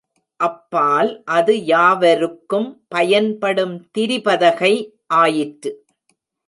அப்பால் அது யாவருக்கும் பயன்படும் திரிபதகை ஆயிற்று.